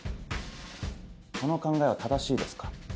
この考えは正しいですか？